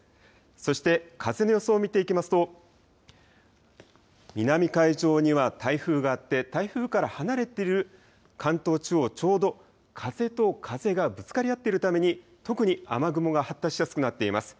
そして風の予想を見ていきますと南海上には台風があって台風から離れている関東地方、ちょうど風と風がぶつかり合っているために特に雨雲が発達しやすくなっています。